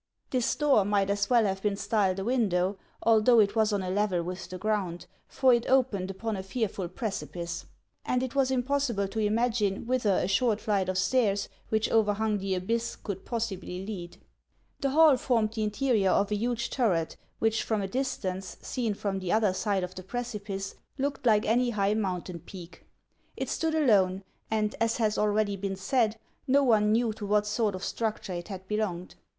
This door might as well have been styled a window, although it was on a level with the ground, for it opened upon a fearful precipice ; and it was impossible to imagine whither a short flight of stairs which overhung the abyss could possibly lead. The hall formed the interior of a huge turret which from a distance, seen from the other side of the precipice, looked like any high mountain peak. It stood alone, and, as has already been said, no one knew to what sort of struc ture it had belonged.